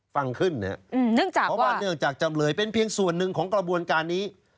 ฟังขึ้นนะครับเพราะว่าเนื่องจากจำเลยเป็นเพียงส่วนหนึ่งของกระบวนการนี้